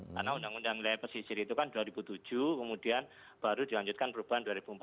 karena undang undang wilayah pesisir itu kan dua ribu tujuh kemudian baru dilanjutkan perubahan dua ribu empat belas